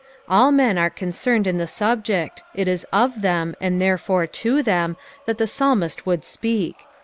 All mea are coacemed in the subject, it is ^ them, aod therefore to them that the psalmist would apeak.